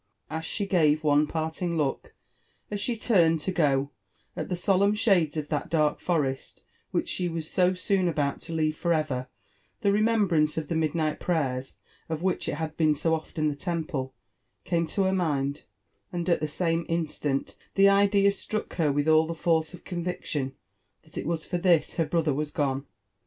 Asslio gave one parting look, as she turned to go« at the solemn Aades of that dark forest which she was so soon about to leave foe ever, the remembrance of the midnight prayers of which it had beeo 8o often the temple, came to her mind, and at the same instant tha idea struck her with all tiie force of conviction^ that it was for this her bro Uier was gone.